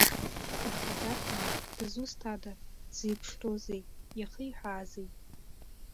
Аха дарбану, дызусҭада, дзеиԥшроузеи, иахиҳәаазеи.